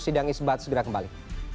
sidang isbat segera kembali